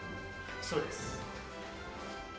そうです。